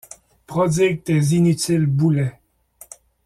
Prodigue tes inutiles boulets !